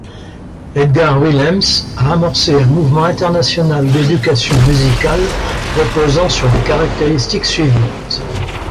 Edgar Willems a amorcé un mouvement international d'éducation musicale reposant sur les caractéristiques suivantes.